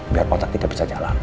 biar kotak tidak bisa jalan